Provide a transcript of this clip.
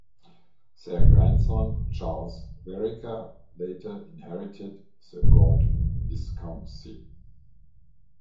Their grandson Charles Vereker later inherited the Gort viscountcy.